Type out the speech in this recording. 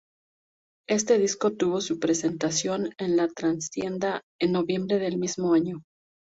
Este disco tuvo su presentación en La Trastienda, en noviembre del mismo año.